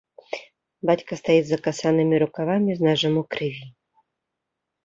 Бацька стаіць з закасанымі рукавамі, з нажом у крыві.